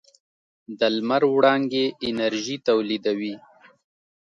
د لمر وړانګې انرژي تولیدوي.